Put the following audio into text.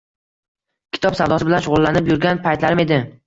Kitob savdosi bilan shug’ullanib yurgan paytlarim edi.